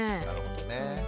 なるほどね。